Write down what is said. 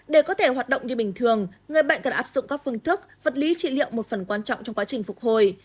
để có thể hoạt động như bình thường người bệnh cần áp dụng các phương thức vật lý trị liệu một phần quan trọng trong quá trình phục hồi